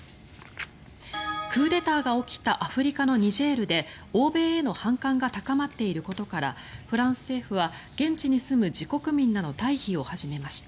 クーデターが起きたアフリカのニジェールで欧米への反感が高まっていることからフランス政府は、現地に住む自国民らの退避を始めました。